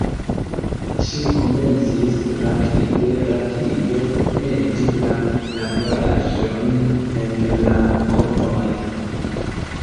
Ŝi komencis rapide, rapide meti la laboraĵon en la korbon.